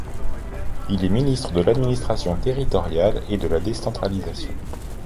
Il est ministre de l'Administration territoriale et de la Décentralisation.